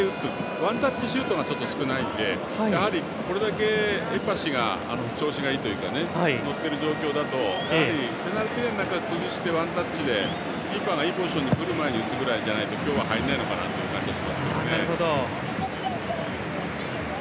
ワンタッチシュートが少ないのでこれだけエパシが調子がいいというか乗っている状況だとペナルティーエリアの中で崩してワンタッチで、キーパーがいいポジションに来る前に打つぐらいじゃないと今日は入らないのかなという感じがします。